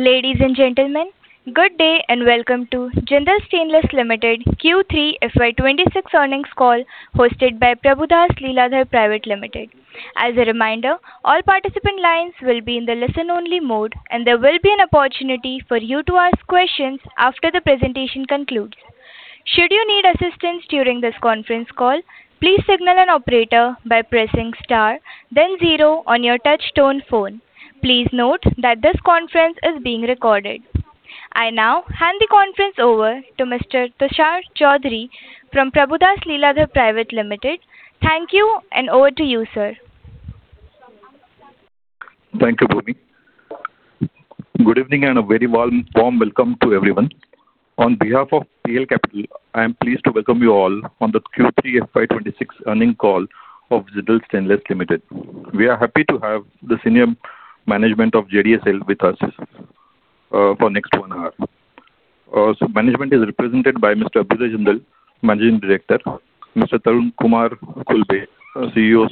Ladies and gentlemen, good day and welcome to Jindal Stainless Limited Q3 FY26 earnings call hosted by Prabhudas Lilladher Private Limited. As a reminder, all participant lines will be in the listen-only mode, and there will be an opportunity for you to ask questions after the presentation concludes. Should you need assistance during this conference call, please signal an operator by pressing star then zero on your touch-tone phone. Please note that this conference is being recorded. I now hand the conference over to Mr. Tushar Chaudhari from Prabhudas Lilladher Private Limited. Thank you, and over to you, sir. Thank you, Puneet. Good evening and a very warm welcome to everyone. On behalf of PL Capital, I am pleased to welcome you all on the Q3 FY26 earnings call of Jindal Stainless Limited. We are happy to have the senior management of JSL with us for the next one hour. Management is represented by Mr. Abhyuday Jindal, Managing Director; Mr. Tarun Kumar Khulbe, CEO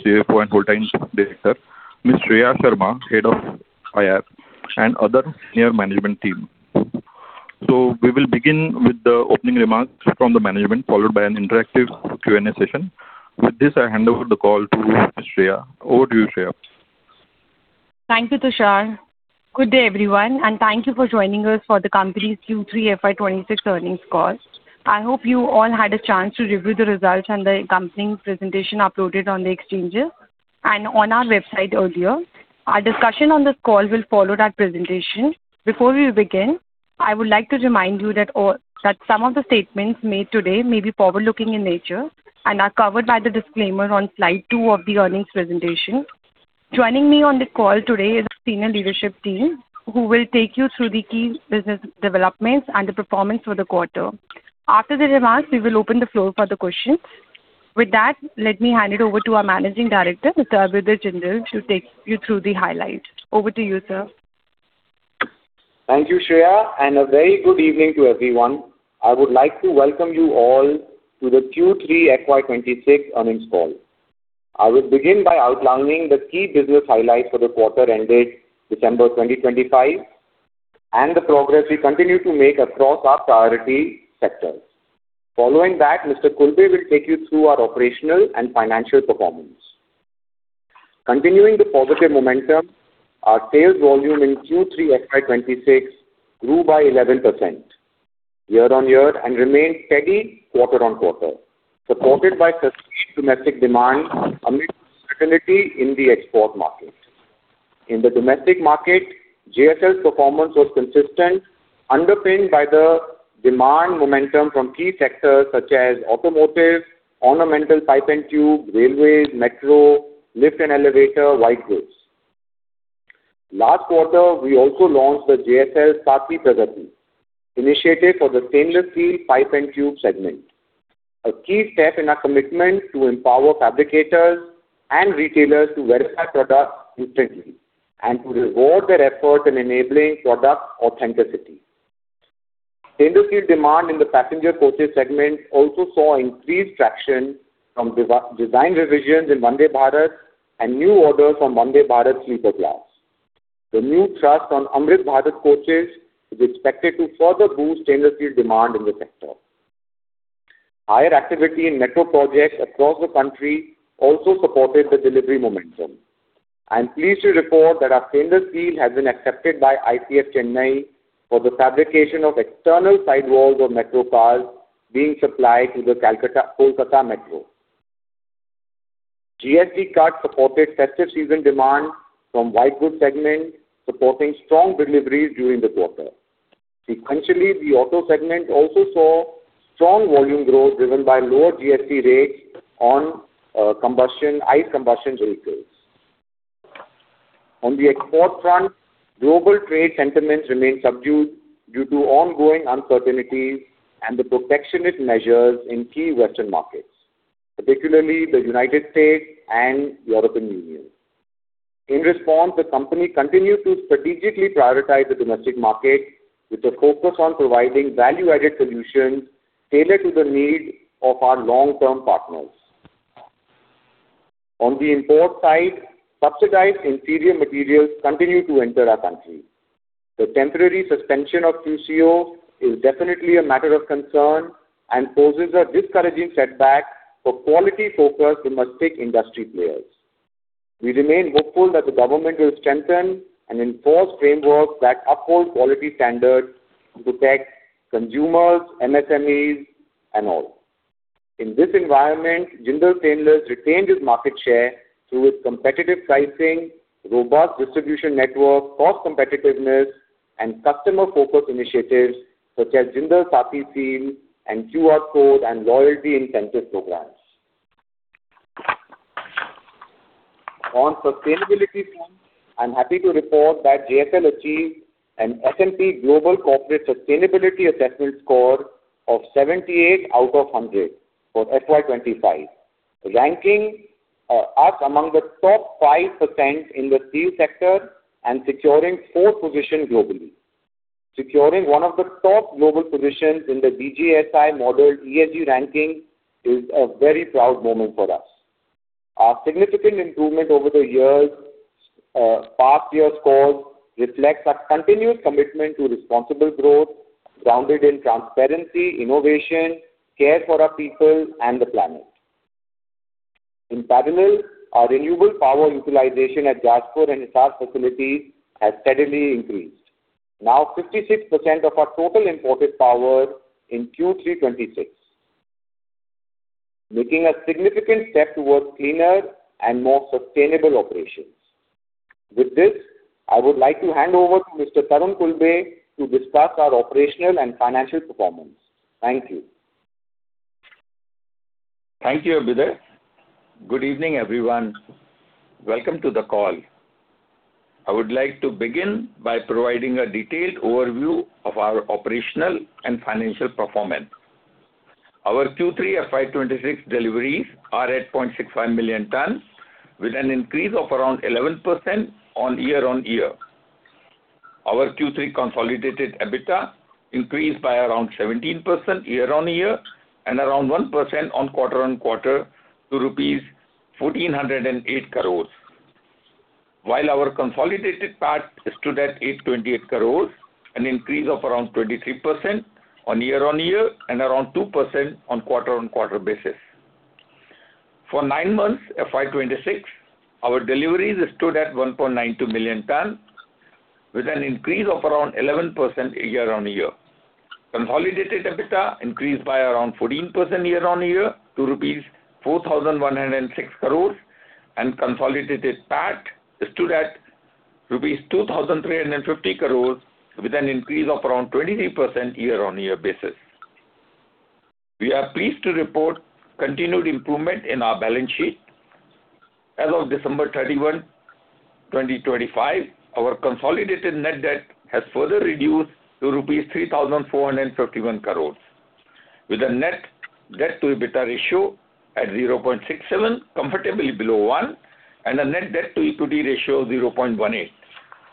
and Whole Time Director; Ms. Shreya Sharma, Head of IR; and other senior management team. We will begin with the opening remarks from the management, followed by an interactive Q&A session. With this, I hand over the call to Ms. Shreya. Over to you, Shreya. Thank you, Tushar. Good day, everyone, and thank you for joining us for the company's Q3 FY26 earnings call. I hope you all had a chance to review the results and the accompanying presentation uploaded on the exchanges and on our website earlier. Our discussion on this call will follow that presentation. Before we begin, I would like to remind you that some of the statements made today may be forward-looking in nature and are covered by the disclaimer on slide two of the earnings presentation. Joining me on the call today is the senior leadership team, who will take you through the key business developments and the performance for the quarter. After the remarks, we will open the floor for the questions. With that, let me hand it over to our Managing Director, Mr. Abhyuday Jindal, to take you through the highlights. Over to you, sir. Thank you, Shreya, and a very good evening to everyone. I would like to welcome you all to the Q3 FY26 earnings call. I will begin by outlining the key business highlights for the quarter ended December 2025 and the progress we continue to make across our priority sectors. Following that, Mr. Khulbe will take you through our operational and financial performance. Continuing the positive momentum, our sales volume in Q3 FY26 grew by 11% year-on-year and remained steady quarter on quarter, supported by sustained domestic demand amidst certainty in the export market. In the domestic market, JSL's performance was consistent, underpinned by the demand momentum from key sectors such as automotive, ornamental pipe and tube, railways, metro, lift and elevator, and white goods. Last quarter, we also launched the Jindal Saathi initiative for the stainless steel pipe and tube segment, a key step in our commitment to empower fabricators and retailers to verify products instantly and to reward their efforts in enabling product authenticity. Stainless steel demand in the passenger coaches segment also saw increased traction from design revisions in Vande Bharat and new orders from Vande Bharat Sleeper Class. The new thrust on Amrit Bharat coaches is expected to further boost stainless steel demand in the sector. Higher activity in metro projects across the country also supported the delivery momentum. I am pleased to report that our stainless steel has been accepted by ICF Chennai for the fabrication of external sidewalls of metro cars being supplied to the Kolkata metro. GST cut supported festive season demand from white goods segment, supporting strong deliveries during the quarter. Sequentially, the auto segment also saw strong volume growth driven by lower GST rates on ICE combustion vehicles. On the export front, global trade sentiments remained subdued due to ongoing uncertainties and the protectionist measures in key Western markets, particularly the United States and the European Union. In response, the company continued to strategically prioritize the domestic market with a focus on providing value-added solutions tailored to the needs of our long-term partners. On the import side, subsidized inferior materials continue to enter our country. The temporary suspension of QCO is definitely a matter of concern and poses a discouraging setback for quality-focused domestic industry players. We remain hopeful that the government will strengthen and enforce frameworks that uphold quality standards to protect consumers, MSMEs, and all. In this environment, Jindal Stainless retained its market share through its competitive pricing, robust distribution network, cost competitiveness, and customer-focused initiatives such as Jindal Saathi and QR code and loyalty incentive programs. On sustainability front, I'm happy to report that JSL achieved an S&P Global Corporate Sustainability Assessment score of 78 out of 100 for FY25, ranking us among the top 5% in the steel sector and securing fourth position globally. Securing one of the top global positions in the DJSI modeled ESG ranking is a very proud moment for us. Our significant improvement over the past year's course reflects our continued commitment to responsible growth grounded in transparency, innovation, care for our people, and the planet. In parallel, our renewable power utilization at Jajpur and Hisar facilities has steadily increased, now 56% of our total imported power in Q3 FY26, making a significant step towards cleaner and more sustainable operations. With this, I would like to hand over to Mr. Tarun Khulbe to discuss our operational and financial performance. Thank you. Thank you, Abhyuday. Good evening, everyone. Welcome to the call. I would like to begin by providing a detailed overview of our operational and financial performance. Our Q3 FY26 deliveries are at 0.65 million tons, with an increase of around 11% year-on-year. Our Q3 consolidated EBITDA increased by around 17% year-on-year and around 1% on quarter on quarter to rupees 1,408 crores, while our consolidated PAT stood at 828 crores, an increase of around 23% on year-on-year and around 2% on quarter-on-quarter basis. For nine months FY26, our deliveries stood at 1.92 million tons, with an increase of around 11% year-on-year. Consolidated EBITDA increased by around 14% year-on-year to rupees 4,106 crores, and consolidated PAT stood at rupees 2,350 crores, with an increase of around 23% year-on-year basis. We are pleased to report continued improvement in our balance sheet. As of December 31, 2025, our consolidated net debt has further reduced to rupees 3,451 crores, with a net debt-to-EBITDA ratio at 0.67, comfortably below 1, and a net debt-to-Equity ratio of 0.18,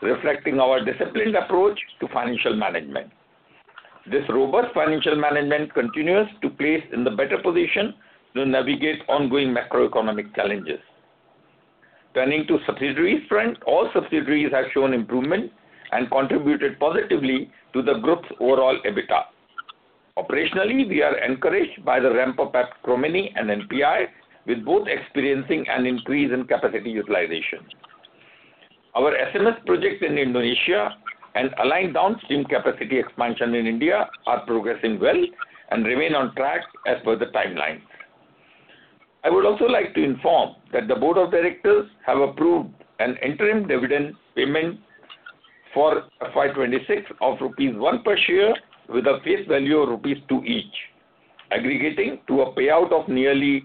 reflecting our disciplined approach to financial management. This robust financial management continues to place in the better position to navigate ongoing macroeconomic challenges. Turning to subsidiaries front, all subsidiaries have shown improvement and contributed positively to the group's overall EBITDA. Operationally, we are encouraged by the ramp-up at Chromeni and NPI, with both experiencing an increase in capacity utilization. Our SMS projects in Indonesia and aligned downstream capacity expansion in India are progressing well and remain on track as per the timelines. I would also like to inform that the Board of Directors have approved an interim dividend payment for FY26 of rupees 1 per share, with a face value of rupees 2 each, aggregating to a payout of nearly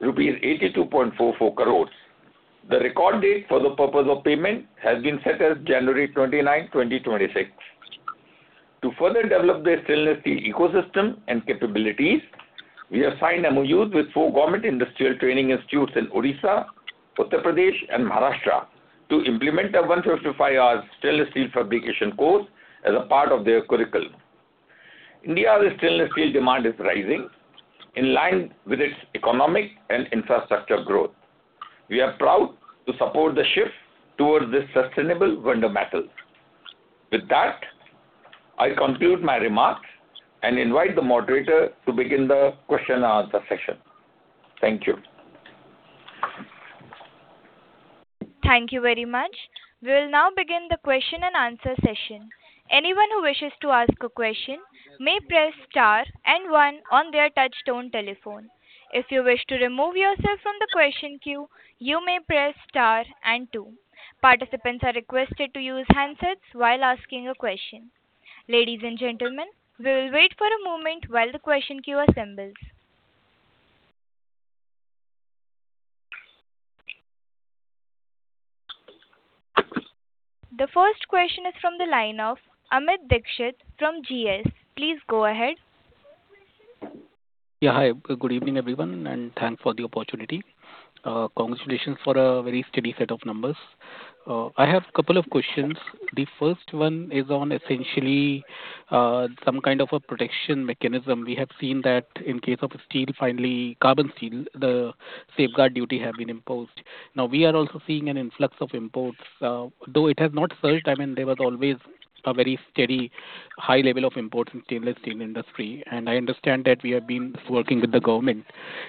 rupees 82.44 crores. The record date for the purpose of payment has been set as January 29, 2026. To further develop the stainless steel ecosystem and capabilities, we have signed MOUs with four government industrial training institutes in Odisha, Uttar Pradesh, and Maharashtra to implement a 155-hour stainless steel fabrication course as a part of their curriculum. India's stainless steel demand is rising, in line with its economic and infrastructure growth. We are proud to support the shift towards this sustainable wonder metal. With that, I conclude my remarks and invite the moderator to begin the question and answer session. Thank you. Thank you very much. We will now begin the question and answer session. Anyone who wishes to ask a question may press star and one on their touch-tone telephone. If you wish to remove yourself from the question queue, you may press star and two. Participants are requested to use handsets while asking a question. Ladies and gentlemen, we will wait for a moment while the question queue assembles. The first question is from the line of Amit Dixit from GS. Please go ahead. Yeah, hi. Good evening, everyone, and thanks for the opportunity. Congratulations for a very steady set of numbers. I have a couple of questions. The first one is on essentially some kind of a protection mechanism. We have seen that in case of steel, finally carbon steel, the safeguard duty has been imposed. Now, we are also seeing an influx of imports. Though it has not surged, I mean, there was always a very steady high level of imports in the stainless steel industry. And I understand that we have been working with the government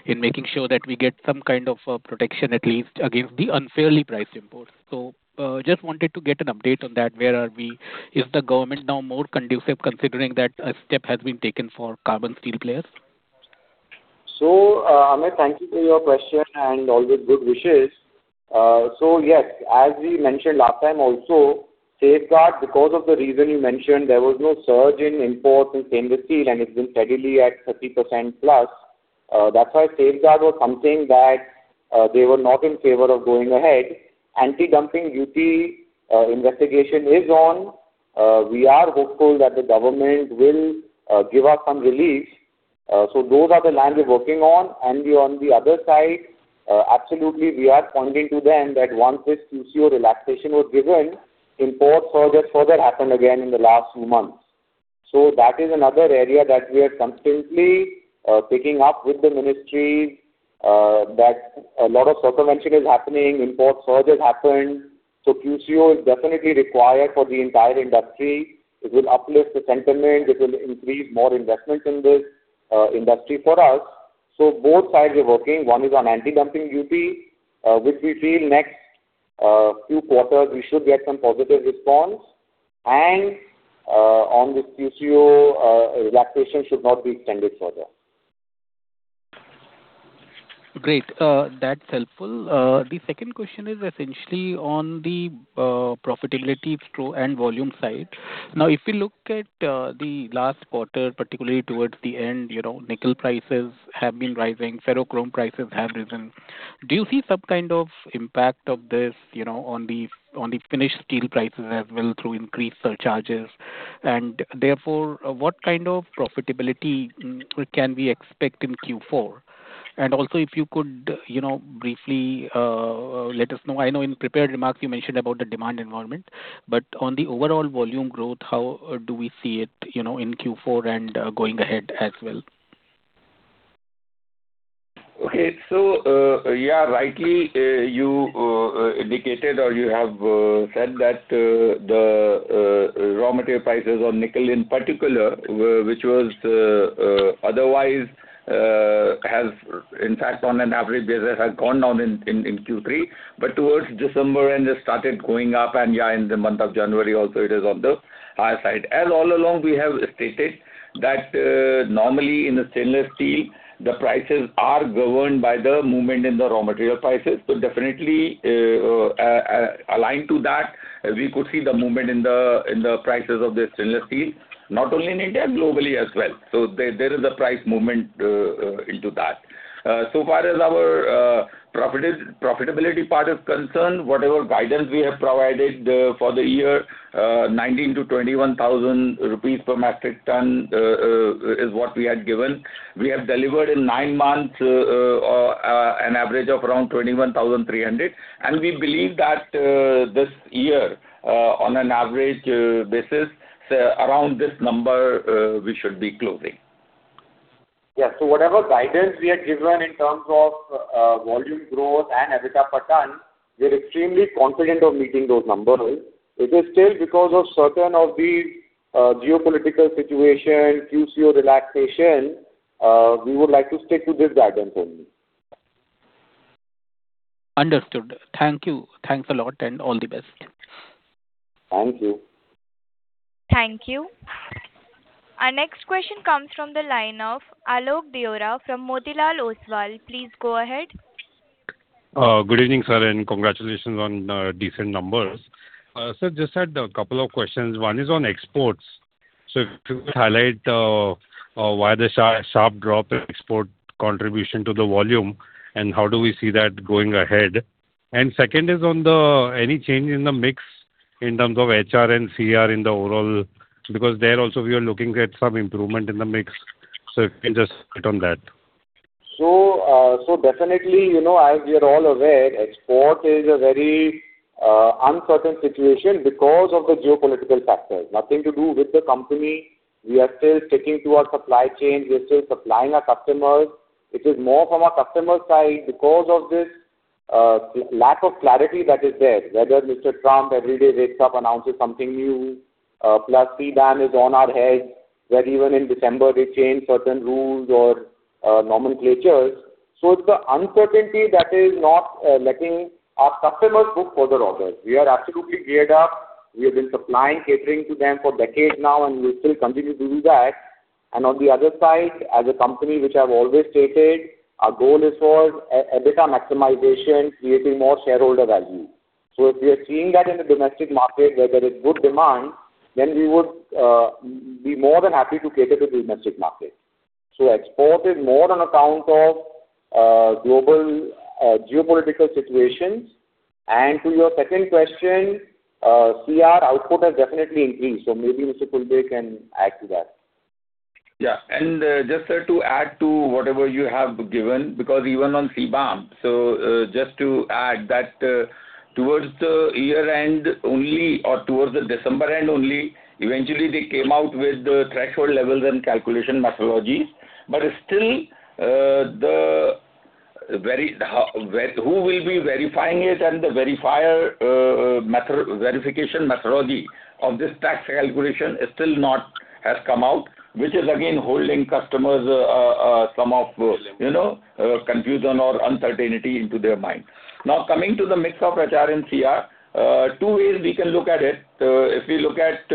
in making sure that we get some kind of protection, at least against the unfairly priced imports. So just wanted to get an update on that. Where are we? Is the government now more conducive considering that a step has been taken for carbon steel players? So, Amit, thank you for your question and all the good wishes. So yes, as we mentioned last time also, safeguard because of the reason you mentioned, there was no surge in imports in stainless steel, and it's been steadily at 30%+. That's why safeguard was something that they were not in favor of going ahead. Anti-dumping duty investigation is on. We are hopeful that the government will give us some relief. So those are the lines we're working on. And on the other side, absolutely, we are pointing to them that once this QCO relaxation was given, import surges further happened again in the last few months. So that is another area that we are constantly picking up with the ministries that a lot of circumvention is happening. Import surges happened. So QCO is definitely required for the entire industry. It will uplift the sentiment. It will increase more investment in this industry for us. So both sides are working. One is on anti-dumping duty, which we feel next few quarters we should get some positive response, and on this QCO relaxation should not be extended further. Great. That's helpful. The second question is essentially on the profitability and volume side. Now, if we look at the last quarter, particularly towards the end, nickel prices have been rising. Ferrochrome prices have risen. Do you see some kind of impact of this on the finished steel prices as well through increased surcharges? And therefore, what kind of profitability can we expect in Q4? And also, if you could briefly let us know. I know in prepared remarks you mentioned about the demand environment, but on the overall volume growth, how do we see it in Q4 and going ahead as well? Okay. So yeah, rightly, you indicated or you have said that the raw material prices on nickel in particular, which was otherwise has, in fact, on an average basis, have gone down in Q3, but towards December, and it started going up. And yeah, in the month of January also, it is on the high side. As all along, we have stated that normally in the stainless steel, the prices are governed by the movement in the raw material prices. So definitely aligned to that, we could see the movement in the prices of the stainless steel, not only in India, globally as well. So there is a price movement into that. So far as our profitability part is concerned, whatever guidance we have provided for the year, 19,000-21,000 rupees per metric ton is what we had given. We have delivered in nine months an average of around 21,300, and we believe that this year, on an average basis, around this number we should be closing. Yeah, so whatever guidance we have given in terms of volume growth and EBITDA per ton, we are extremely confident of meeting those numbers. It is still because of certain of the geopolitical situation, QCO relaxation. We would like to stick to this guidance only. Understood. Thank you. Thanks a lot and all the best. Thank you. Thank you. Our next question comes from the line of Alok Deora from Motilal Oswal. Please go ahead. Good evening, sir, and congratulations on decent numbers. Sir just had a couple of questions. One is on exports. So if you could highlight why the sharp drop in export contribution to the volume and how do we see that going ahead? And second is on any change in the mix in terms of HR and CR in the overall. Because there also we are looking at some improvement in the mix. So if you can just comment on that. So, definitely, as we are all aware, export is a very uncertain situation because of the geopolitical factors. Nothing to do with the company. We are still sticking to our supply chain. We are still supplying our customers. It is more from our customer side because of this lack of clarity that is there, whether Mr. Trump every day wakes up, announces something new, plus CBAM is on our head, that even in December they changed certain rules or nomenclatures. So it's the uncertainty that is not letting our customers book further orders. We are absolutely geared up. We have been supplying, catering to them for decades now, and we will still continue to do that. And on the other side, as a company which I've always stated, our goal is for EBITDA maximization, creating more shareholder value. If we are seeing that in the domestic market, whether it's good demand, then we would be more than happy to cater to the domestic market. Export is more on account of global geopolitical situations. To your second question, CR output has definitely increased. Maybe Mr. Khulbe can add to that. Yeah. Just to add to whatever you have given, because even on CBAM, just to add that towards the year-end only or towards the December-end only, eventually they came out with the threshold levels and calculation methodology. But still, who will be verifying it and the verification methodology of this tax calculation has still not come out, which is again holding customers some of confusion or uncertainty into their mind. Now, coming to the mix of HR and CR, two ways we can look at it. If we look at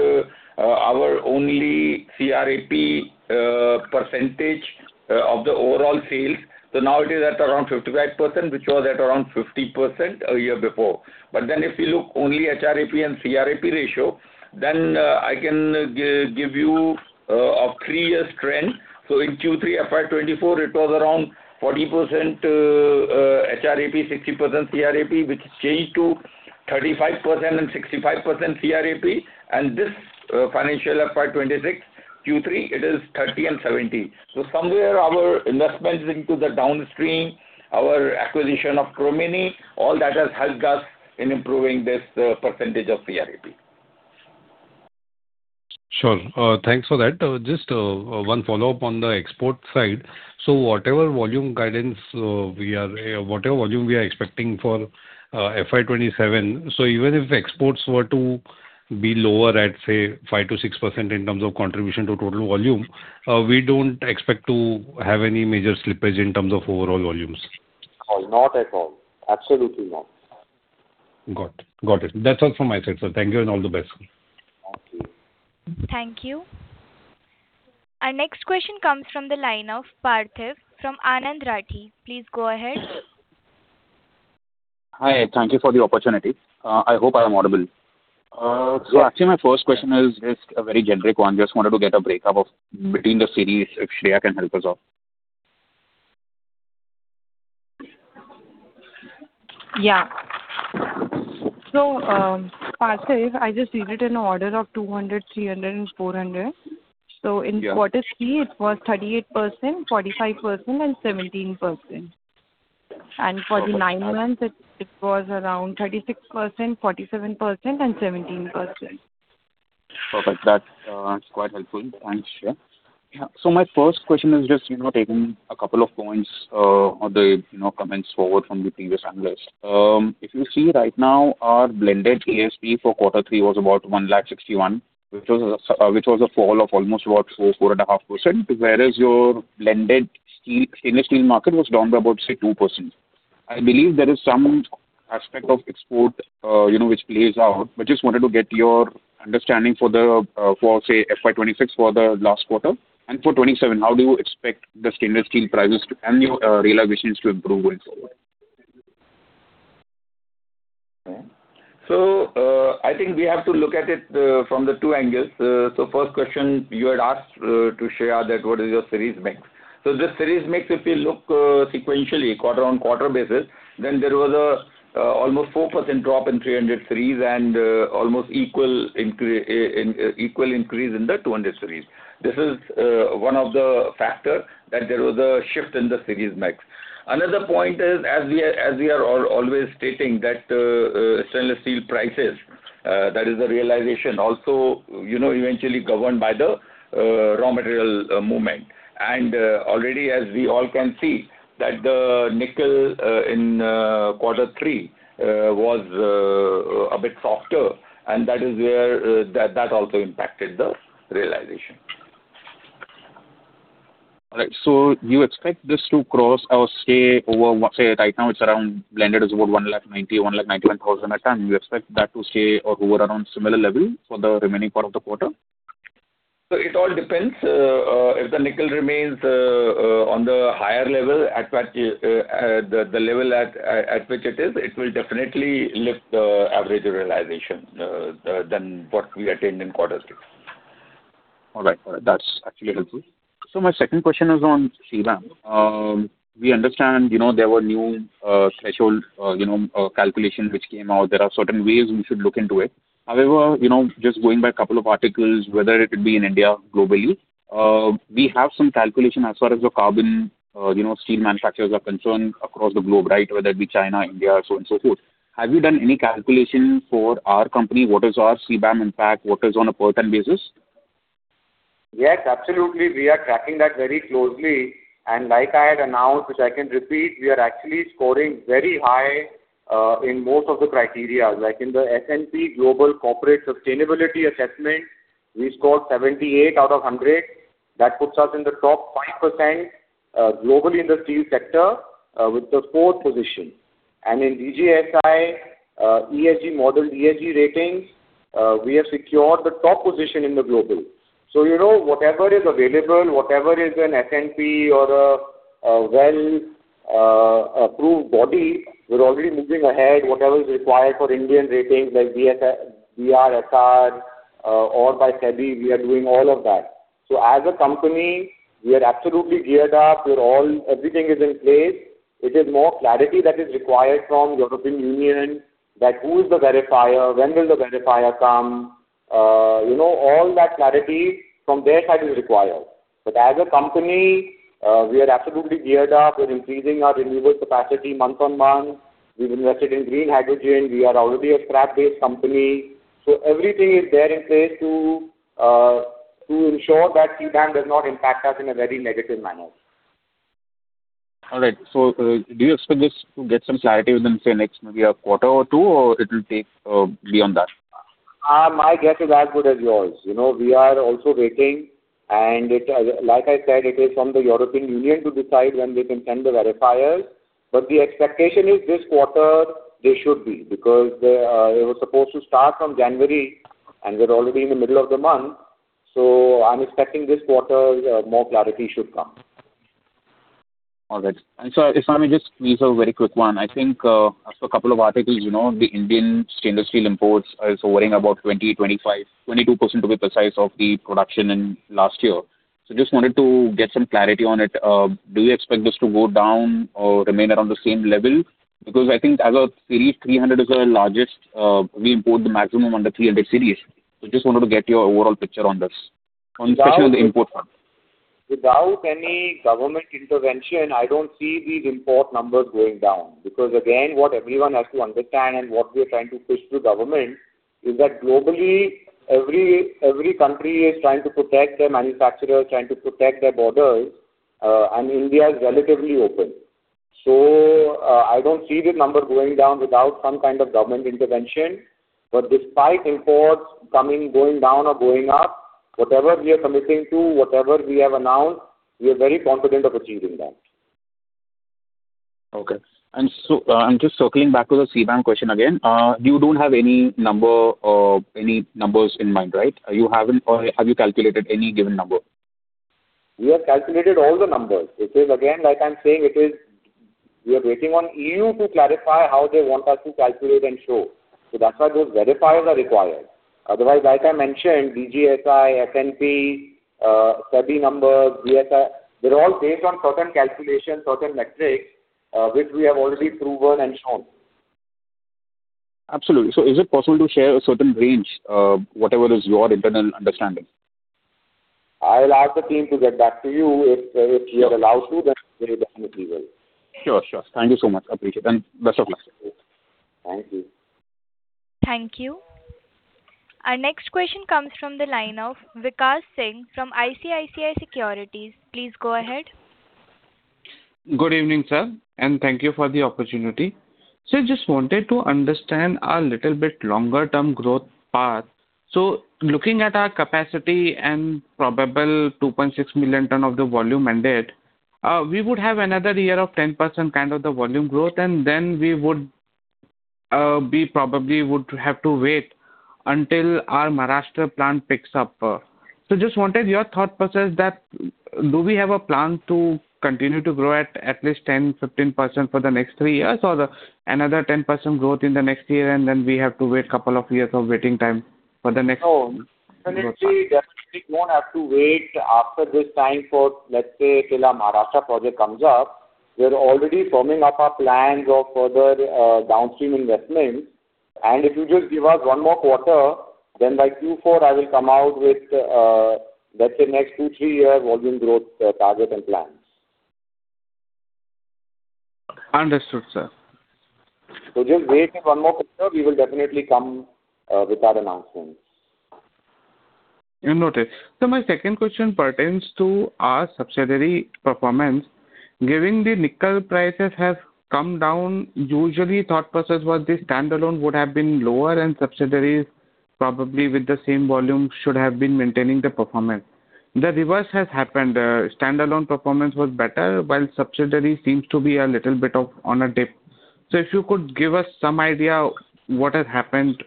our overall CRAP percentage of the overall sales, so now it is at around 55%, which was at around 50% a year before. But then if you look only at HRAP and CRAP ratio, then I can give you a three-year trend. In Q3 FY24, it was around 40% HRAP, 60% CRAP, which changed to 35% and 65% CRAP. This financial FY26 Q3, it is 30% and 70%. Somewhat our investments into the downstream, our acquisition of Chromeni, all that has helped us in improving this percentage of CRAP. Sure. Thanks for that. Just one follow-up on the export side. So whatever volume guidance we are, whatever volume we are expecting for FY27, so even if exports were to be lower at, say, 5%-6% in terms of contribution to total volume, we don't expect to have any major slippage in terms of overall volumes. Not at all. Absolutely not. Got it. That's all from my side, sir. Thank you and all the best. Thank you. Thank you. Our next question comes from the line of Parthiv from Anand Rathi. Please go ahead. Hi. Thank you for the opportunity. I hope I am audible. So actually, my first question is just a very generic one. Just wanted to get a breakdown between the cities if Shreya can help us out. Yeah. So Parthiv, I just read it in order of 200, 300, and 400. So in Q3, it was 38%, 45%, and 17%. And for the nine months, it was around 36%, 47%, and 17%. Perfect. That's quite helpful. Thanks, Shreya. Yeah. So my first question is just taking a couple of points or the comments forward from the previous analyst. If you see right now, our blended ASP for quarter three was about 161, which was a fall of almost about 4%-4.5%, whereas your blended stainless steel market was down by about, say, 2%. I believe there is some aspect of export which plays out. But just wanted to get your understanding for, say, FY26 for the last quarter and for FY27. How do you expect the stainless steel prices and realizations to improve going forward? Okay. So I think we have to look at it from the two angles. So first question, you had asked to Shreya that what is your series mix. So the series mix, if you look sequentially quarter-on-quarter basis, then there was an almost 4% drop in 300 series and almost equal increase in the 200 series. This is one of the factors that there was a shift in the series mix. Another point is, as we are always stating, that stainless steel prices, that is the realization, also eventually governed by the raw material movement. And already, as we all can see, that the nickel in quarter three was a bit softer, and that is where that also impacted the realization. All right. So you expect this to cross or stay over, say, right now it's around blended is about 190,000-191,000 a ton. You expect that to stay or go around similar level for the remaining part of the quarter? So it all depends. If the nickel remains on the higher level, the level at which it is, it will definitely lift the average realization than what we attained in quarter three. All right. That's actually helpful. So my second question is on CBAM. We understand there were new threshold calculations which came out. There are certain ways we should look into it. However, just going by a couple of articles, whether it would be in India globally, we have some calculation as far as the carbon steel manufacturers are concerned across the globe, right? Whether it be China, India, so on and so forth. Have you done any calculation for our company? What is our CBAM impact? What is on a per ton basis? Yes, absolutely. We are tracking that very closely. And like I had announced, which I can repeat, we are actually scoring very high in most of the criteria. Like in the S&P Global Corporate Sustainability Assessment, we scored 78 out of 100. That puts us in the top 5% globally in the steel sector with the fourth position. And in DJSI ESG model ESG ratings, we have secured the top position in the global. So whatever is available, whatever is an S&P or a well-approved body, we're already moving ahead. Whatever is required for Indian ratings like BRSR or by SEBI, we are doing all of that. So as a company, we are absolutely geared up. Everything is in place. It is more clarity that is required from the European Union that who is the verifier, when will the verifier come. All that clarity from their side is required. But as a company, we are absolutely geared up. We're increasing our renewable capacity month on month. We've invested in green hydrogen. We are already a scrap-based company. So everything is there in place to ensure that CBAM does not impact us in a very negative manner. All right. So do you expect this to get some clarity within, say, next maybe a quarter or two, or it will be on that? My guess is as good as yours. We are also waiting. And like I said, it is from the European Union to decide when they can send the verifiers. But the expectation is this quarter, they should be because they were supposed to start from January, and we're already in the middle of the month. So I'm expecting this quarter, more clarity should come. All right. And sir, if I may just squeeze a very quick one. I think after a couple of articles, the Indian stainless steel imports is hovering about 20%-25%, 22% to be precise of the production in last year. So just wanted to get some clarity on it. Do you expect this to go down or remain around the same level? Because I think as a series, 300 Series is the largest. We import the maximum under 300 Series. So just wanted to get your overall picture on this, especially on the import front. Without any government intervention, I don't see these import numbers going down. Because again, what everyone has to understand and what we are trying to push to government is that globally, every country is trying to protect their manufacturers, trying to protect their borders, and India is relatively open. So I don't see this number going down without some kind of government intervention. But despite imports going down or going up, whatever we are committing to, whatever we have announced, we are very confident of achieving that. Okay. And just circling back to the CBAM question again, you don't have any numbers in mind, right? Or have you calculated any given number? We have calculated all the numbers. It is, again, like I'm saying, we are waiting on EU to clarify how they want us to calculate and show. So that's why those verifiers are required. Otherwise, like I mentioned, DGSI, S&P, SEBI numbers, BSI, they're all based on certain calculations, certain metrics, which we have already proven and shown. Absolutely. So is it possible to share a certain range, whatever is your internal understanding? I'll ask the team to get back to you if you are allowed to. Then they definitely will. Sure. Sure. Thank you so much. Appreciate it, and best of luck. Thank you. Thank you. Our next question comes from the line of Vikas Singh from ICICI Securities. Please go ahead. Good evening, sir, and thank you for the opportunity. I just wanted to understand a little bit longer-term growth path. Looking at our capacity and probable 2.6 million tons of the volume mandate, we would have another year of 10% kind of the volume growth, and then we would probably have to wait until our Maharashtra plant picks up. Just wanted your thought process that do we have a plan to continue to grow at least 10%-15% for the next three years or another 10% growth in the next year, and then we have to wait a couple of years of waiting time for the next three months? No. Definitely, definitely we don't have to wait after this time for, let's say, till our Maharashtra project comes up. We're already firming up our plans of further downstream investments. And if you just give us one more quarter, then by Q4, I will come out with, let's say, next two, three-year volume growth target and plans. Understood, sir. So just waiting one more quarter, we will definitely come with that announcement. Noted. So my second question pertains to our subsidiary performance. Given the nickel prices have come down, usually thought process was the standalone would have been lower and subsidiaries probably with the same volume should have been maintaining the performance. The reverse has happened. Standalone performance was better, while subsidiary seems to be a little bit on a dip. So if you could give us some idea what has happened,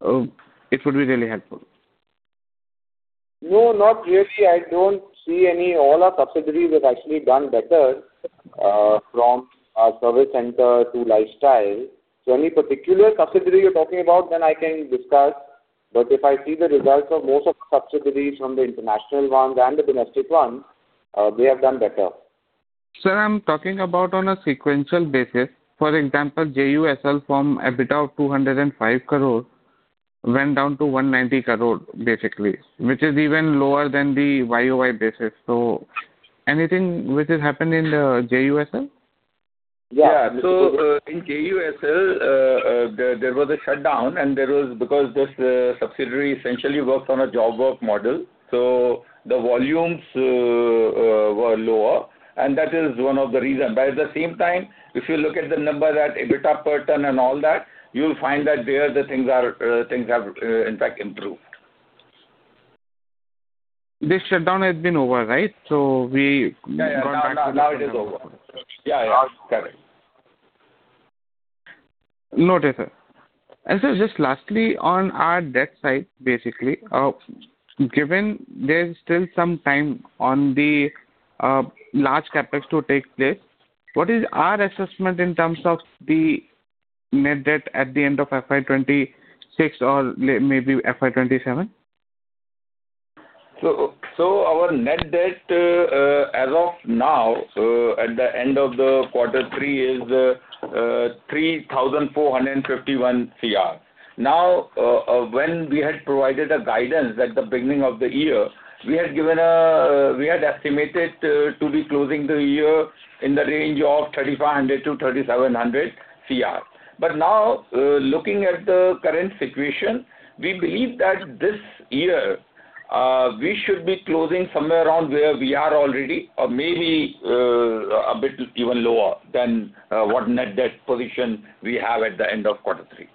it would be really helpful. No, not really. I don't see any. All our subsidiaries have actually done better from our service center to lifestyle, so any particular subsidiary you're talking about, then I can discuss, but if I see the results of most of the subsidiaries from the international ones and the domestic ones, they have done better. Sir, I'm talking about on a sequential basis. For example, JUSL from EBITDA of 205 crore went down to 190 crore basically, which is even lower than the YOY basis. So anything which has happened in the JUSL? Yeah. So in JUSL, there was a shutdown, and there was, because this subsidiary essentially worked on a job work model. So the volumes were lower. And that is one of the reasons. But at the same time, if you look at the number that EBITDA per ton and all that, you'll find that there the things have in fact improved. This shutdown had been over, right? So we brought back to normal. Yeah. Now it is over. Yeah. Correct. Noted, sir. And, sir, just lastly, on our debt side, basically, given there's still some time on the large CapEx to take place, what is our assessment in terms of the net debt at the end of FY26 or maybe FY27? Our net debt as of now, at the end of the quarter three, is 3,451 crore. Now, when we had provided a guidance at the beginning of the year, we had estimated to be closing the year in the range of 3,500-3,700 crore. Now, looking at the current situation, we believe that this year we should be closing somewhere around where we are already, or maybe a bit even lower than what net debt position we have at the end of quarter three.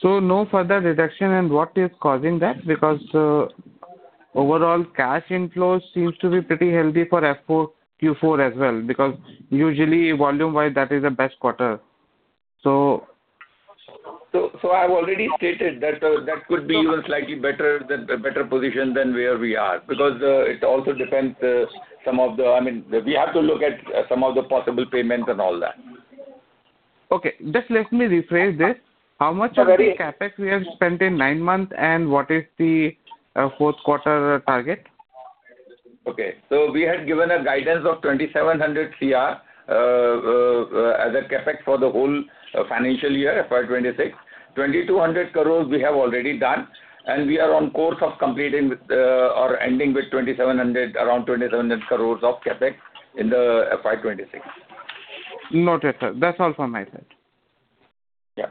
So no further reduction in what is causing that? Because overall cash inflows seems to be pretty healthy for Q4 as well. Because usually volume-wise, that is the best quarter. So. So, I've already stated that that could be even slightly better position than where we are. Because it also depends some of the. I mean, we have to look at some of the possible payments and all that. Okay. Just let me rephrase this. How much of the CapEx we have spent in nine months, and what is the fourth quarter target? Okay. So we had given a guidance of 2,700 crore as a CapEx for the whole financial year, FY26. 2,200 crore we have already done. And we are on course of completing or ending with 2,700, around 2,700 crore of CapEx in the FY26. Noted, sir. That's all from my side. Yeah.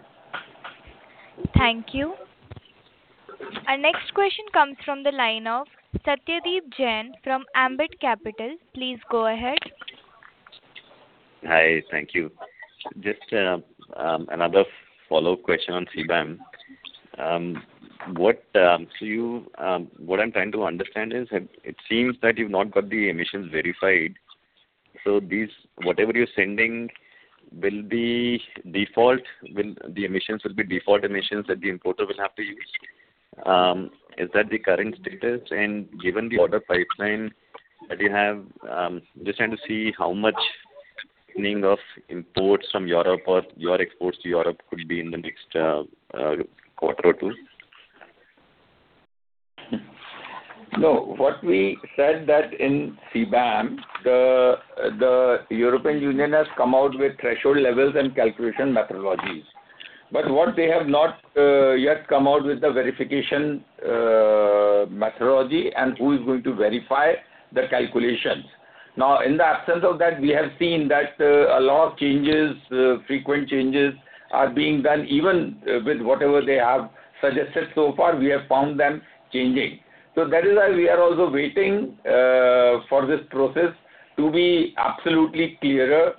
Thank you. Our next question comes from the line of Satyadeep Jain from Ambit Capital. Please go ahead. Hi. Thank you. Just another follow-up question on CBAM. So what I'm trying to understand is, it seems that you've not got the emissions verified. So whatever you're sending will be default emissions that the importer will have to use. Is that the current status? And given the order pipeline that you have, just trying to see how much shifting of imports from Europe or your exports to Europe could be in the next quarter or two. No. What we said that in CBAM, the European Union has come out with threshold levels and calculation methodologies, but what they have not yet come out with the verification methodology and who is going to verify the calculations. Now, in the absence of that, we have seen that a lot of changes, frequent changes, are being done even with whatever they have suggested so far. We have found them changing, so that is why we are also waiting for this process to be absolutely clearer.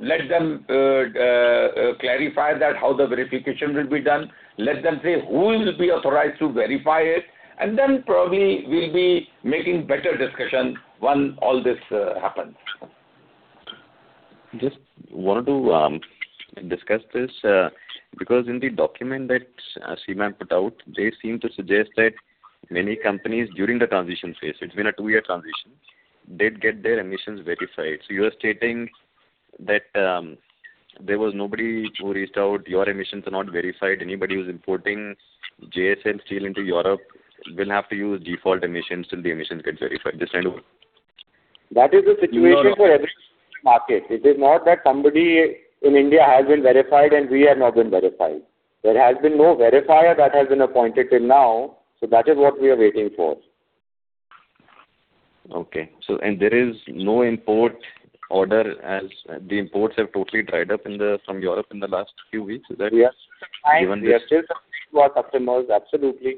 Let them clarify that how the verification will be done. Let them say who will be authorized to verify it, and then probably we'll be making better discussion when all this happens. Just wanted to discuss this. Because in the document that CBAM put out, they seem to suggest that many companies during the transition phase, it's been a two-year transition, did get their emissions verified. So you are stating that there was nobody who reached out, "Your emissions are not verified." Anybody who's importing JSL steel into Europe will have to use default emissions till the emissions get verified. Just trying to. That is the situation for every market. It is not that somebody in India has been verified and we have not been verified. There has been no verifier that has been appointed till now. So that is what we are waiting for. Okay. And there is no import order as the imports have totally dried up from Europe in the last few weeks. Is that given? We are still supporting to our customers. Absolutely.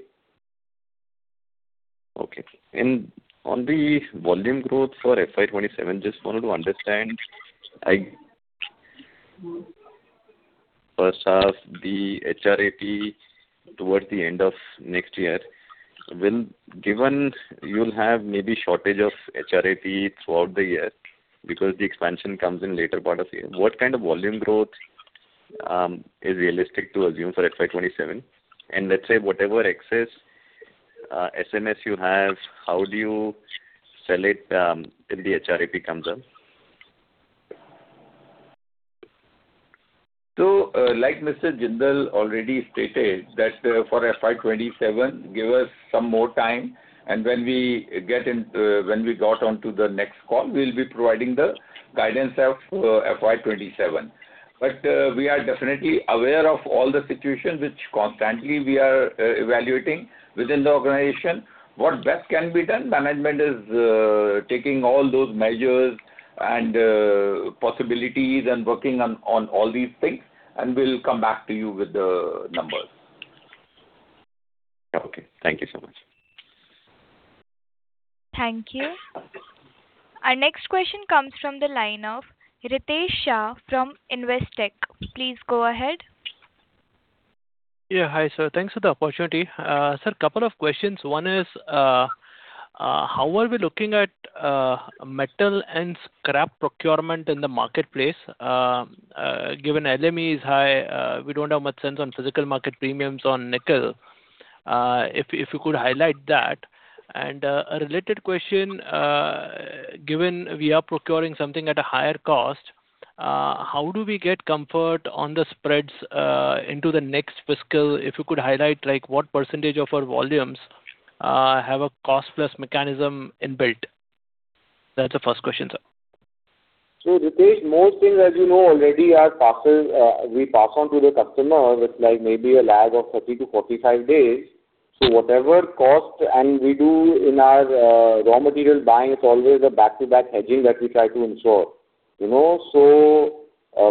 Okay. And on the volume growth for FY27, just wanted to understand. First half, the HRAP towards the end of next year, given you'll have maybe shortage of HRAP throughout the year because the expansion comes in later part of the year, what kind of volume growth is realistic to assume for FY27? And let's say whatever excess SMS you have, how do you sell it if the HRAP comes up? So, like Mr. Jindal already stated, that for FY27, give us some more time. And when we get onto the next call, we'll be providing the guidance of FY27. But we are definitely aware of all the situations which constantly we are evaluating within the organization. What best can be done? Management is taking all those measures and possibilities and working on all these things. And we'll come back to you with the numbers. Okay. Thank you so much. Thank you. Our next question comes from the line of Ritesh Shah from Investec. Please go ahead. Yeah. Hi, sir. Thanks for the opportunity. Sir, a couple of questions. One is, how are we looking at metal and scrap procurement in the marketplace? Given LME is high, we don't have much sense on physical market premiums on nickel. If you could highlight that. And a related question, given we are procuring something at a higher cost, how do we get comfort on the spreads into the next fiscal? If you could highlight what percentage of our volumes have a cost-plus mechanism inbuilt. That's the first question, sir. So Ritesh, most things, as you know already, we pass on to the customer with maybe a lag of 30-45 days. So whatever cost and we do in our raw material buying, it's always a back-to-back hedging that we try to ensure. So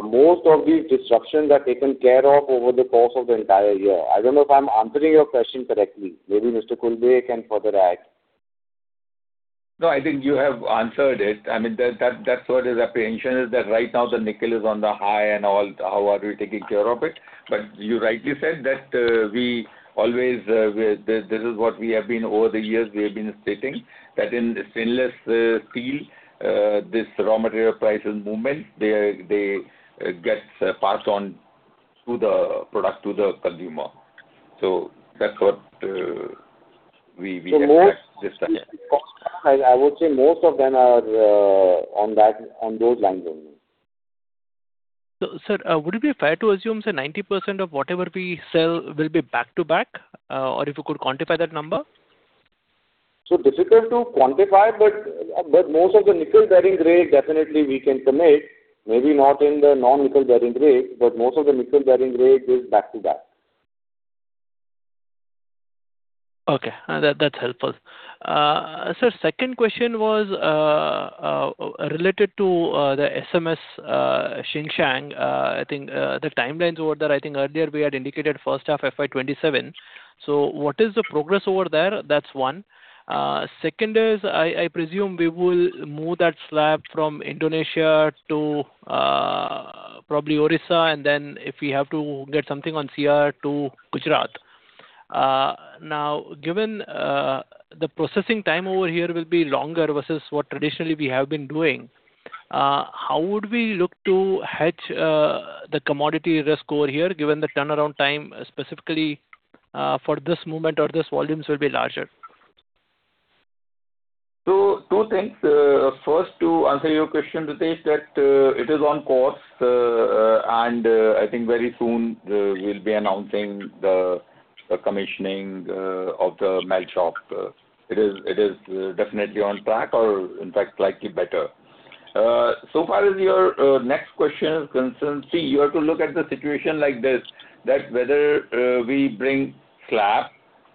most of these disruptions are taken care of over the course of the entire year. I don't know if I'm answering your question correctly. Maybe Mr. Khulbe can further add. No, I think you have answered it. I mean, that's what is apprehension is that right now the nickel is on the high and all, how are we taking care of it? But you rightly said that we always this is what we have been over the years we have been stating that in stainless steel, this raw material prices movement, they get passed on to the product to the consumer. So that's what we get back this time. I would say most of them are on those lines only. So sir, would it be fair to assume that 90% of whatever we sell will be back-to-back? Or if you could quantify that number? So difficult to quantify, but most of the nickel-bearing grades, definitely we can commit. Maybe not in the non-nickel-bearing grades, but most of the nickel-bearing grades is back-to-back. Okay. That's helpful. Sir, second question was related to the SMS Tsingshan. I think the timelines over there, I think earlier we had indicated first half FY27. So what is the progress over there? That's one. Second is, I presume we will move that slab from Indonesia to probably Odisha, and then if we have to get something on CR to Gujarat. Now, given the processing time over here will be longer versus what traditionally we have been doing, how would we look to hedge the commodity risk over here given the turnaround time specifically for this movement or this volumes will be larger? So two things. First, to answer your question, Ritesh, that it is on course. And I think very soon we'll be announcing the commissioning of the melt shop. It is definitely on track or in fact slightly better. So far as your next question concerns, see, you have to look at the situation like this, that whether we bring slab,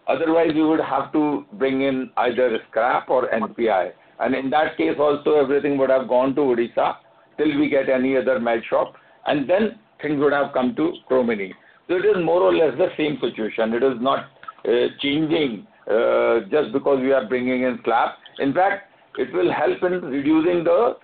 otherwise we would have to bring in either scrap or NPI. And in that case, also everything would have gone to Odisha till we get any other melt shop. And then things would have come to Chromeni. So it is more or less the same situation. It is not changing just because we are bringing in slab. In fact, it will help in reducing the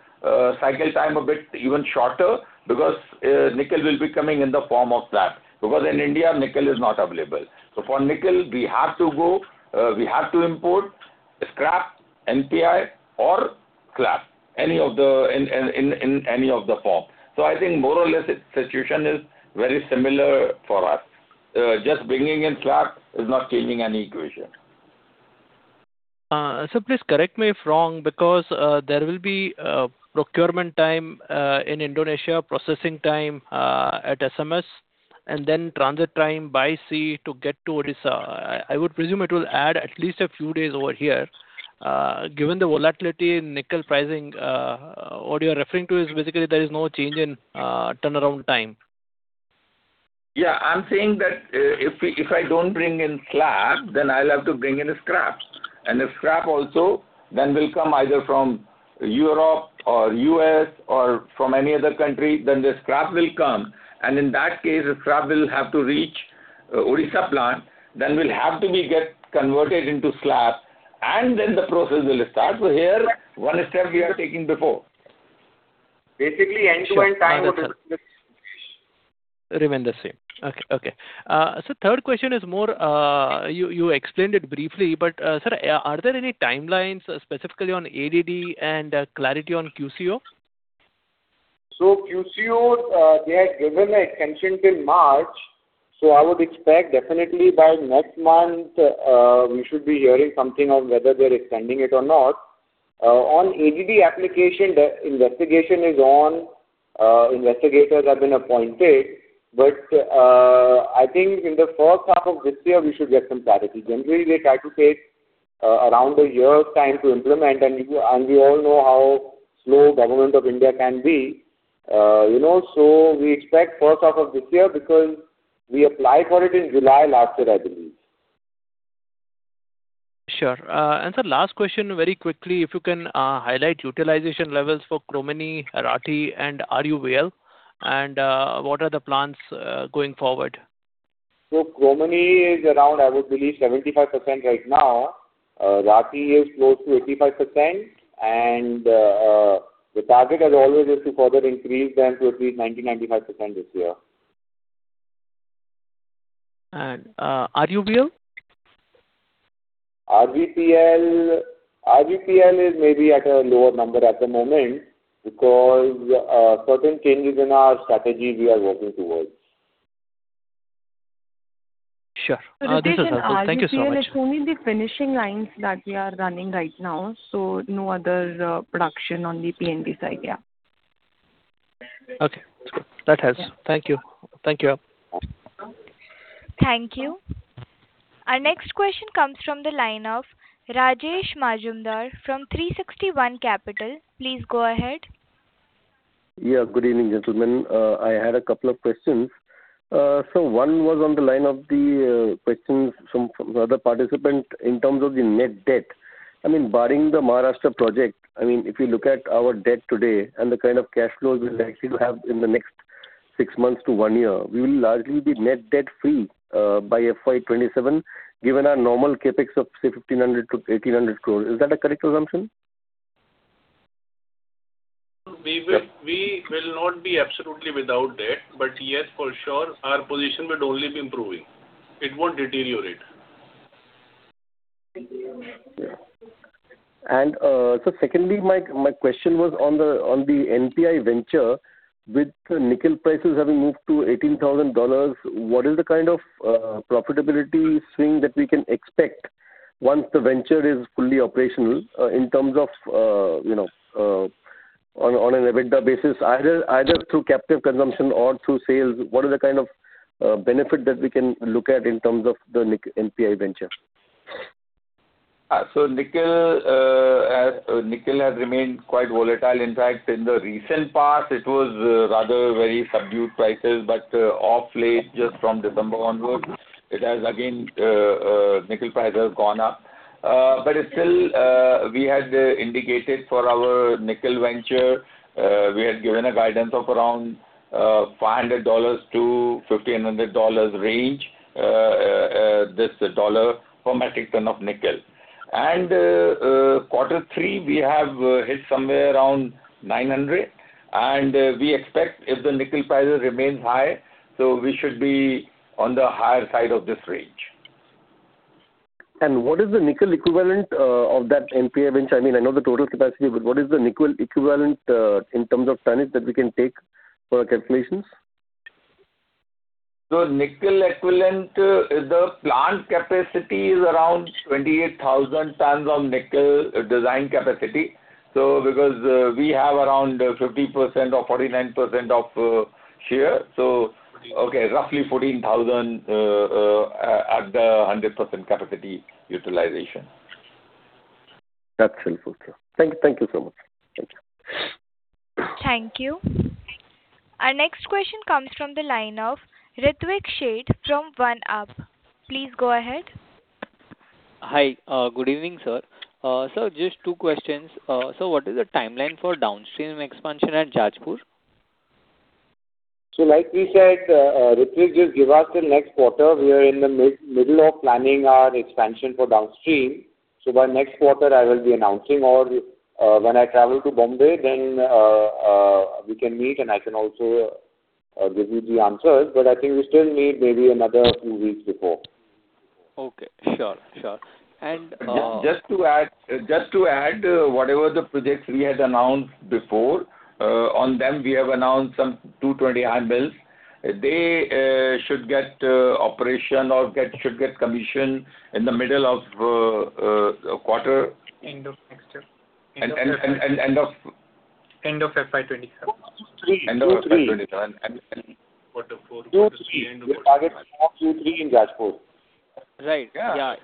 cycle time a bit even shorter because nickel will be coming in the form of slab. Because in India, nickel is not available. For nickel, we have to import scrap, NPI, or slab, in any of the form. I think more or less the situation is very similar for us. Just bringing in slab is not changing any equation. Sir, please correct me if wrong because there will be procurement time in Indonesia, processing time at SMS, and then transit time by sea to get to Odisha. I would presume it will add at least a few days over here. Given the volatility in nickel pricing, what you're referring to is basically there is no change in turnaround time. Yeah. I'm saying that if I don't bring in slab, then I'll have to bring in a scrap. And the scrap also then will come either from Europe or U.S. or from any other country, then the scrap will come. And in that case, the scrap will have to reach Odisha plant, then will have to be converted into slab, and then the process will start. So here, one step we are taking before. Basically, end-to-end time would. Remain the same. Okay. So the third question is more you explained it briefly, but sir, are there any timelines specifically on ADD and clarity on QCO? QCO, they had given an extension till March. I would expect definitely by next month, we should be hearing something on whether they're extending it or not. On ADD application, the investigation is on. Investigators have been appointed. I think in the first half of this year, we should get some clarity. Generally, they try to take around a year's time to implement. We all know how slow the Government of India can be. We expect first half of this year because we applied for it in July last year, I believe. Sure. And sir, last question very quickly. If you can highlight utilization levels for Chromeni, RATI, and RVPL? And what are the plans going forward? Chromeni is around, I would believe, 75% right now. RATI is close to 85%. And the target as always is to further increase them to at least 90%-95% this year. And RVPL? RVPL is maybe at a lower number at the moment because certain changes in our strategy we are working towards. Sure. This is all. Thank you so much. This is only the finishing lines that we are running right now. So no other production on the P&D side. Yeah. Okay. That helps. Thank you. Thank you. Thank you. Our next question comes from the line of Rajesh Majumdar from 361 Capital. Please go ahead. Yeah. Good evening, gentlemen. I had a couple of questions. So one was on the line of the questions from other participants in terms of the net debt. I mean, barring the Maharashtra project, I mean, if you look at our debt today and the kind of cash flows we're likely to have in the next six months to one year, we will largely be net debt-free by FY27 given our normal CapEx of, say, 1,500-1 INR ,800 crore. Is that a correct assumption? We will not be absolutely without debt. But yes, for sure, our position would only be improving. It won't deteriorate. Sir, secondly, my question was on the NPI venture. With nickel prices having moved to $18,000, what is the kind of profitability swing that we can expect once the venture is fully operational in terms of on an event basis, either through captive consumption or through sales? What is the kind of benefit that we can look at in terms of the NPI venture? So nickel has remained quite volatile. In fact, in the recent past, it was rather very subdued prices, but of late just from December onward, it has again, nickel prices have gone up. But still, we had indicated for our nickel venture, we had given a guidance of around $500-$1,500 range, this dollar per metric ton of nickel. And quarter three, we have hit somewhere around $900. And we expect if the nickel prices remain high, so we should be on the higher side of this range. What is the nickel equivalent of that NPI venture? I mean, I know the total capacity, but what is the nickel equivalent in terms of tonnage that we can take for calculations? Nickel equivalent, the plant capacity is around 28,000 tons of nickel design capacity. Because we have around 50% or 49% of share. Okay, roughly 14,000 tons at the 100% capacity utilization. That's helpful, sir. Thank you so much. Thank you. Thank you. Our next question comes from the line of Ritwik Sheth from OneUp. Please go ahead. Hi. Good evening, sir. Sir, just two questions. So what is the timeline for downstream expansion at Jajpur? So, like we said, Ritwik, just give us till next quarter. We are in the middle of planning our expansion for downstream. So by next quarter, I will be announcing. Or when I travel to Bombay, then we can meet and I can also give you the answers. But I think we still need maybe another few weeks before. Okay. Sure. Sure. And. Just to add, whatever the projects we had announced before, on them, we have announced some. They should get operation or should get commission in the middle of quarter. End of next year. And end of. End of FY27. End of FY27. The target is Q3 in Jajpur. Right. Yeah.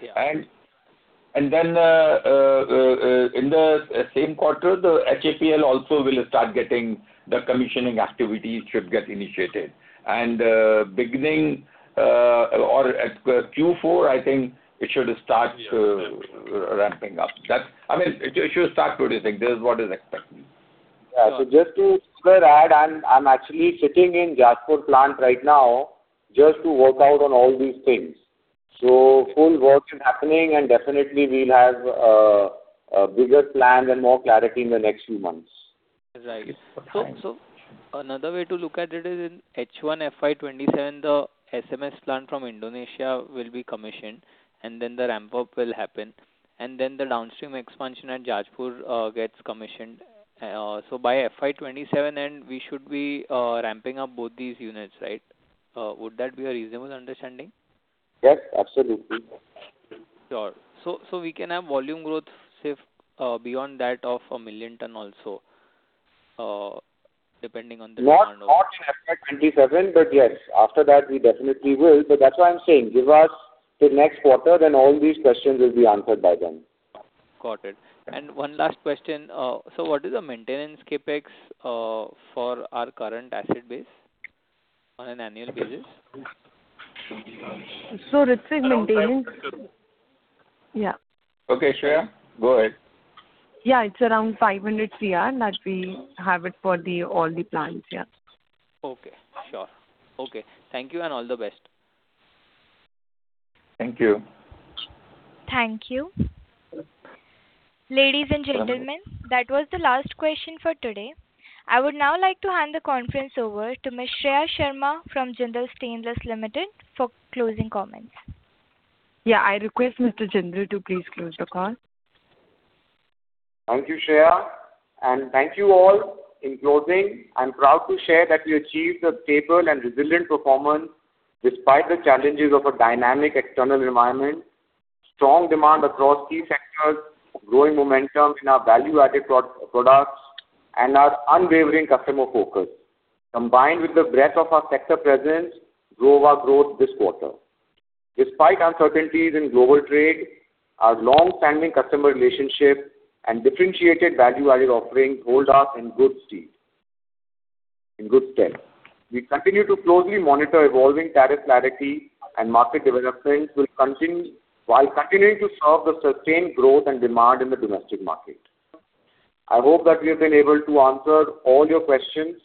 And then in the same quarter, the HAPL also will start getting the commissioning activity. Should get initiated. And beginning or Q4, I think it should start ramping up. I mean, it should start producing. This is what is expected. Yeah. So just to add, I'm actually sitting in Jajpur plant right now just to work out on all these things. So full work is happening. And definitely, we'll have a bigger plan and more clarity in the next few months. Right. So another way to look at it is in H1, FY27, the SMS plant from Indonesia will be commissioned, and then the ramp-up will happen. And then the downstream expansion at Jajpur gets commissioned. So by FY27, we should be ramping up both these units, right? Would that be a reasonable understanding? Yes. Absolutely. Sure, so we can have volume growth beyond that of 1 million tons also, depending on the demand also. Not in FY27, but yes. After that, we definitely will. But that's why I'm saying, give us till next quarter, then all these questions will be answered by then. Got it. One last question. What is the maintenance CapEx for our current asset base on an annual basis? So Ritwik, maintenance. Yeah. Okay. Shreya? Go ahead. Yeah. It's around 500 crore that we have it for all the plants. Yeah. Okay. Sure. Okay. Thank you and all the best. Thank you. Thank you. Ladies and gentlemen, that was the last question for today. I would now like to hand the conference over to Ms. Shreya Sharma from Jindal Stainless Limited for closing comments. Yeah. I request Mr. Jindal to please close the call. Thank you, Shreya. And thank you all. In closing, I'm proud to share that we achieved a stable and resilient performance despite the challenges of a dynamic external environment, strong demand across key sectors, growing momentum in our value-added products, and our unwavering customer focus. Combined with the breadth of our sector presence, drove our growth this quarter. Despite uncertainties in global trade, our long-standing customer relationship and differentiated value-added offering hold us in good step. We continue to closely monitor evolving tariff clarity and market developments while continuing to serve the sustained growth and demand in the domestic market. I hope that we have been able to answer all your questions.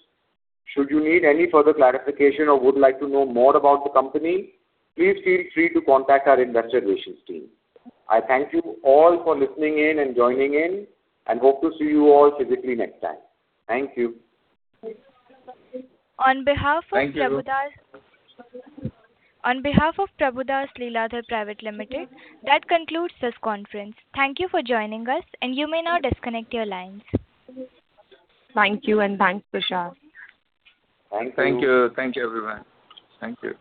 Should you need any further clarification or would like to know more about the company, please feel free to contact our investor relations team. I thank you all for listening in and joining in, and hope to see you all physically next time. Thank you. On behalf of. Thank you. On behalf of Prabhudas Lilladher Private Limited, that concludes this conference. Thank you for joining us, and you may now disconnect your lines. Thank you. And thanks, Prashad. Thank you. Thank you. Thank you, everyone. Thank you.